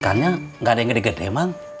ikannya gak ada yang gede gede emang